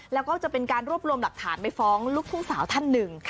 แล้วก็จะเป็นการรวบรวมหลักฐานไปฟ้องลูกทุ่งสาวท่านหนึ่ง